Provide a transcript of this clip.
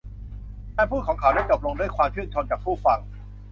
การพูดของเขานั้นจบลงด้วยความชื่นชมจากผู้ฟัง